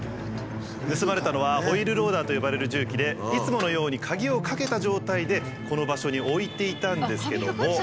盗まれたのはホイールローダーと呼ばれる重機でいつものように鍵をかけた状態でこの場所に置いていたんですけども。